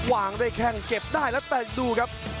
วางได้แค่เก็บได้แล้วแต่ดูครับ